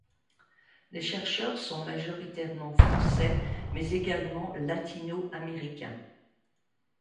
Les chercheurs sont majoritairement français mais également latino-américains.